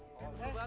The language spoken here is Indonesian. seperti pulau gosong